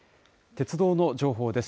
鉄道の情報です。